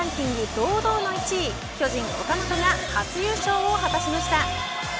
堂々の１位巨人岡本が初優勝を果たしました。